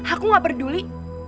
aku gak peduli